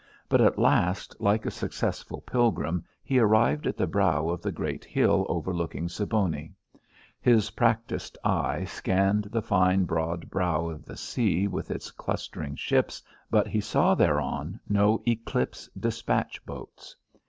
But at last, like a successful pilgrim, he arrived at the brow of the great hill overlooking Siboney. His practised eye scanned the fine broad brow of the sea with its clustering ships, but he saw thereon no Eclipse despatch boats.